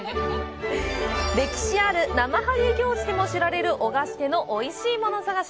歴史あるなまはげ行事でも知られる男鹿市でのおいしいもの探し。